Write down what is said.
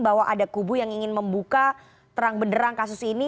bahwa ada kubu yang ingin membuka terang benderang kasus ini